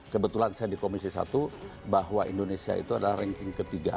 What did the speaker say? kebetulan saya dikomisi satu bahwa indonesia itu adalah ranking ke tiga